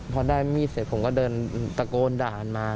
พอได้มีดเสร็จผมก็เดินตะโกนด่ากันมา